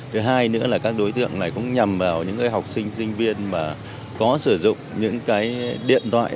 thứ hai nữa là các đối tượng này cũng nhằm vào những học sinh sinh viên mà có sử dụng những cái điện thoại